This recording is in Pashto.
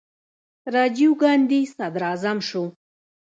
راجیو ګاندي صدراعظم شو.